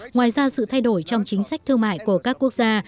ngoài ra sự thay đổi trong chính sách thương mại của các quốc gia